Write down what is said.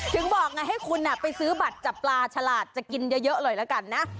ถึงบอกไงให้คุณไปซื้อบัตรจับปลาฉลาดจะกินเยอะเลยละกันนะ